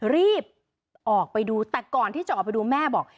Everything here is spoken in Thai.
รีบออกไปดูแต่ก่อนที่จะออกไปดูแม่บอก